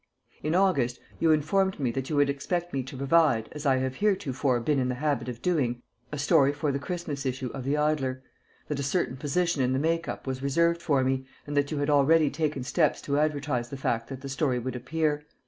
In August you informed me that you would expect me to provide, as I have heretofore been in the habit of doing, a story for the Christmas issue of the Idler; that a certain position in the make up was reserved for me, and that you had already taken steps to advertise the fact that the story would appear.